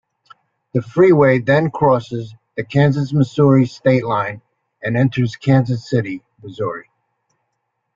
The freeway then crosses the Kansas-Missouri state line and enters Kansas City, Missouri.